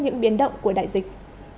những biến động của đại dịch